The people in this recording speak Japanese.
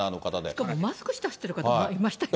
しかもマスクして走ってる方もいましたよ。